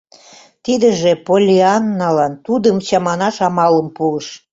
Тидыже Поллианналан тудым чаманаш амалым пуыш.